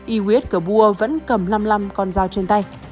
i w s kabur vẫn cầm năm mươi năm con dao trên tay